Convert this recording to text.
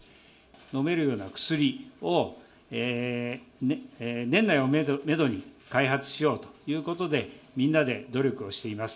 飲めるような薬を、年内をメドに、開発しようということで、みんなで努力をしています。